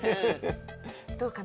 どうかな？